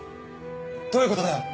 どういう事だよ！？